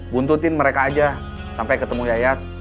buntutin mereka aja sampai ketemu yayat